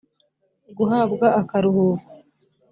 guhabwa akaruhuko